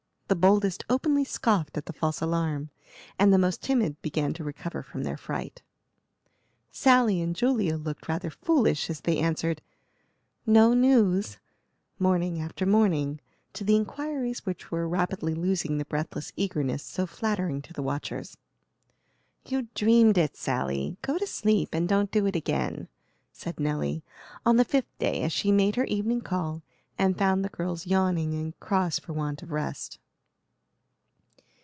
The boldest openly scoffed at the false alarm, and the most timid began to recover from their fright. Sally and Julia looked rather foolish as they answered, "no news," morning after morning, to the inquiries which were rapidly losing the breathless eagerness so flattering to the watchers. "You dreamed it, Sally. Go to sleep, and don't do it again," said Nelly, on the fifth day, as she made her evening call and found the girls yawning and cross for want of rest.